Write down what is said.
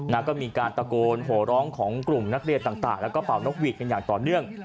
แล้วก็มีการตะโกนโหร้องของกลุ่มนักเรียนต่างแล้วก็เป่านกหวีดกันอย่างต่อเนื่อง